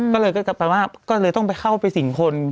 ก็เลยก็จะแปลว่าก็เลยต้องไปเข้าไปสิ่งคน